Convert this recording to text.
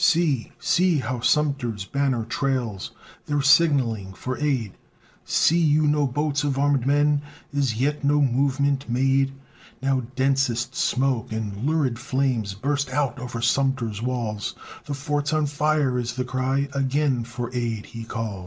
"See, see, how Sumter's banner trails, They're signalling for aid. See you no boats of armed men? Is yet no movement made?" Now densest smoke and lurid flames Burst out o'er Sumter's walls; "The fort's on fire," is the cry, Again for aid he calls.